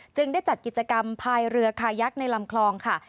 ได้จัดกิจกรรมพายเรือคายักษ์ในลำคลองค่ะ